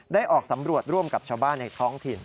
ออกสำรวจร่วมกับชาวบ้านในท้องถิ่น